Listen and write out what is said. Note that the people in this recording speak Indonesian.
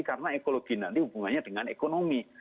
karena ekologi nanti hubungannya dengan ekonomi